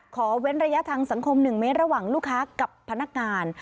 เว้นระยะทางสังคม๑เมตรระหว่างลูกค้ากับพนักงาน